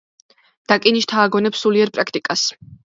დაკინი შთააგონებს სულიერ პრაქტიკას.